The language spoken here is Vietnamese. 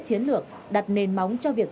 chiến lược đặt nền móng cho việc